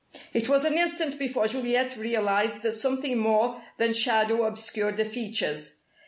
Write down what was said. It was an instant before Juliet realized that something more than shadow obscured the features.